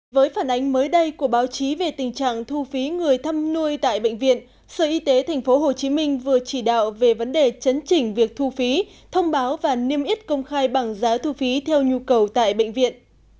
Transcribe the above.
với phản ánh mới đây của báo chí về tình trạng thu phí người thăm nuôi tại bệnh viện sở y tế tp hcm vừa chỉ đạo về vấn đề chấn chỉnh việc thu phí thông báo và niêm yết công khai bằng giá thu phí theo nhu cầu tại bệnh viện